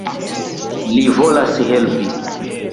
Li volas helpi.